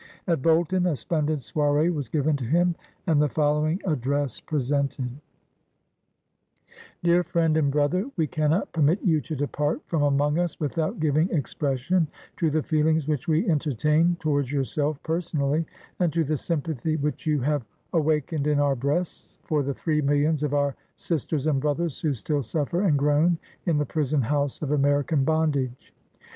At Bolton, a splendid soiree was given to him, and the following Address presented :— "Dear Friend and Brother, — We cannot per mit you to depart from among us without giving expres sion to the feelings which we entertain towards yourself personally, and to the sympathy which you have awa kened in our breasts for the three millions of our sisters and brothers who still suffer and groan in the prison house of American bondage.